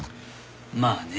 まあね。